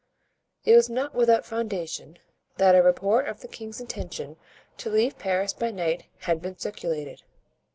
It was not without foundation that a report of the king's intention to leave Paris by night had been circulated.